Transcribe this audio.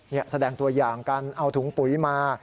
นี่แสดงตัวอย่างกันเอาถุงปุ๋ยมา